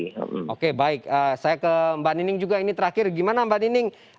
oke baik saya ke mbak nining juga ini terakhir gimana mbak nining